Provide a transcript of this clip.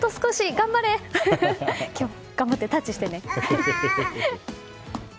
頑張れ！頑張ってタッチしてね。